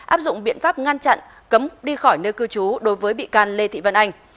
áp dụng biện pháp ngăn chặn cấm đi khỏi nơi cư trú đối với bị can lê thị vân anh